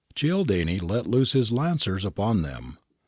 Cialdini let loose his lancers upon them.